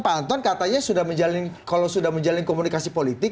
pak anton katanya kalau sudah menjalani komunikasi politik